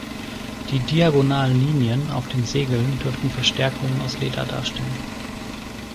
Die diagonalen Linien auf den Segeln dürften Verstärkungen aus Leder darstellen.